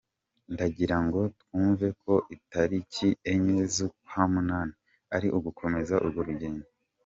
Ndagira ngo twumve ko itariki enye z’ukwa munani, ari ugukomeza urwo rugendo.